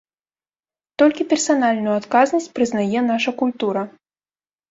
Толькі персанальную адказнасць прызнае наша культура.